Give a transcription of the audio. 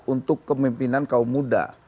untuk kepimpinan kaum muda